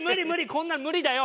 こんなの無理だよ。